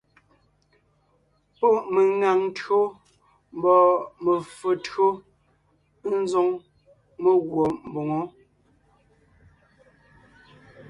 Pɔ́ meŋaŋ tÿǒ mbɔɔ me[o tÿǒ ńzoŋ meguɔ mboŋó.